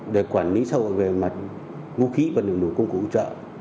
để quản lý xã hội về mặt vũ khí và liệu nổ công cụ hỗ trợ